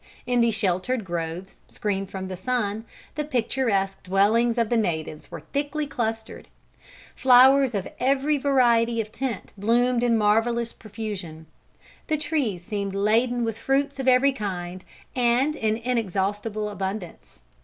In the sheltered groves, screened from the sun, the picturesque dwellings of the natives were thickly clustered. Flowers of every variety of tint bloomed in marvellous profusion. The trees seemed laden with fruits of every kind, and in inexhaustible abundance.